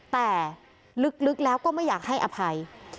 แต่ลึกแล้วก็ไม่อยากให้อภัย